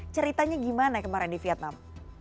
ceritanya gimana kemarin di vietnam